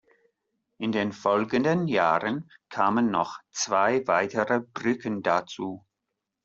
In den folgenden Jahren kamen noch zwei weitere Brücken dazu.